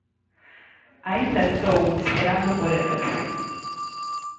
Aínda estou esperando por elas.